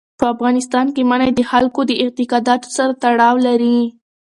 په افغانستان کې منی د خلکو د اعتقاداتو سره تړاو لري.